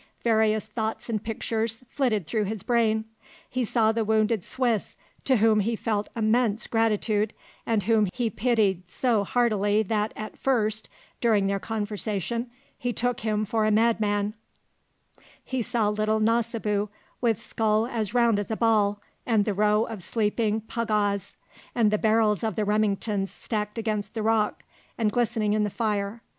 Various thoughts and pictures flitted through his brain. He saw the wounded Swiss to whom he felt immense gratitude and whom he pitied so heartily that, at first, during their conversation, he took him for a madman; he saw little Nasibu with skull as round as a ball, and the row of sleeping "pagahs," and the barrels of the Remingtons stacked against the rock and glistening in the fire.